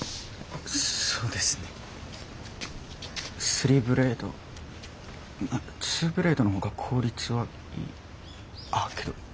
３ブレード２ブレードの方が効率はいいあっけど。